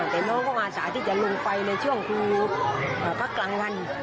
แต่น้องก็อาสาที่จะลงไปในช่วงครูพักกลางวัน